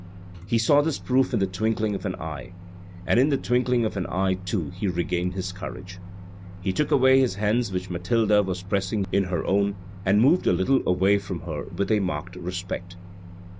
He saw this proof in the twinkling of an eye, and in the twinkling of an eye too, he regained his courage. He took away his hands which Mathilde was pressing in her own, and moved a little away from her with a marked respect.